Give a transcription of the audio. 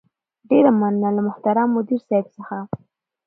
ډېره مننه له محترم مدير صيب څخه